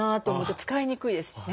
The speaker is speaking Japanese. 使いにくいですしね。